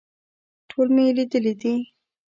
ټول مې لیدلي دي.